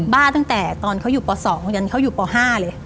บ้าตั้งแต่ตอนเขาอยู่ป๒จนเขาอยู่ป๕เลย